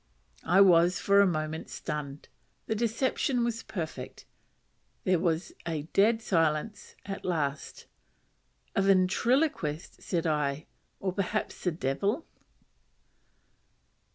I was for a moment stunned. The deception was perfect. There was a dead silence at last. "A ventriloquist," said I "or or perhaps the devil."